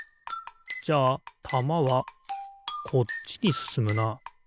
じゃあたまはこっちにすすむな。